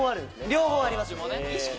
両方あります